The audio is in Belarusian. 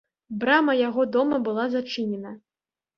Брама яго дома была зачынена.